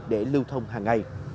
để lưu thông hàng ngày